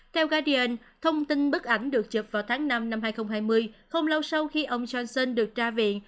theo gadian thông tin bức ảnh được chụp vào tháng năm năm hai nghìn hai mươi không lâu sau khi ông johnson được ra viện